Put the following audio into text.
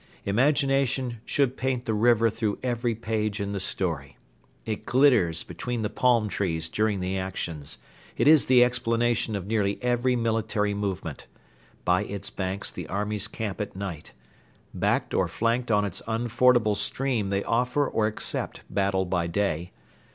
Imagination should paint the river through every page in the story. It glitters between the palm trees during the actions. It is the explanation of nearly every military movement. By its banks the armies camp at night. Backed or flanked on its unfordable stream they offer or accept battle by day.